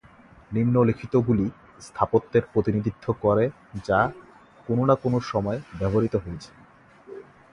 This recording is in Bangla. নিম্নলিখিতগুলি স্থাপত্যের প্রতিনিধিত্ব করে যা কোন না কোন সময়ে ব্যবহৃত হয়েছে।